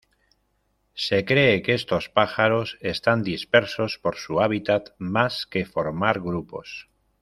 Se cree que estos pájaros están dispersos por su hábitat más que formar grupos.